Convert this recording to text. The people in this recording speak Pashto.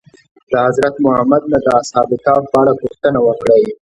د حضرت محمد نه د اصحاب کهف په اړه پوښتنه وکړئ.